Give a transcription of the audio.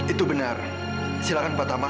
itu benar silahkan pak tama bu ambar